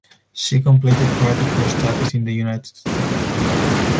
She completed part of her studies in the United States.